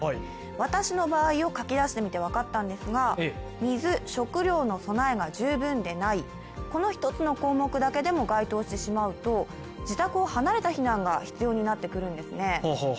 私の場合を書きだしてみて分かったんですが、水、食料等の備えが十分でない、この１つの項目だけでも該当してしまうと、自宅を離れた避難が必要になってくるんですね。